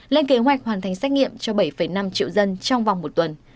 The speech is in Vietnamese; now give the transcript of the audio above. lên kế hoạch hoàn thành xét nghiệm cho bảy năm triệu dân trong vòng một tuần